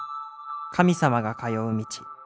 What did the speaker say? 神様が通う路。